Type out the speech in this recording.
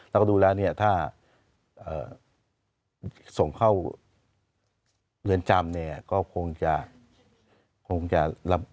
แล้วก็ดูแล้วถ้าส่งเข้าเรือนจำ